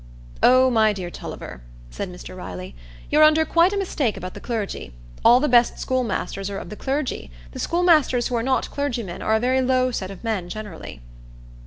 "Oh, my dear Tulliver," said Mr Riley, "you're quite under a mistake about the clergy; all the best schoolmasters are of the clergy. The schoolmasters who are not clergymen are a very low set of men generally."